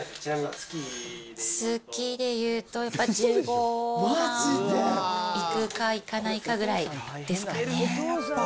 月でいうと、やっぱり１５万いくかいかないかぐらいですかね。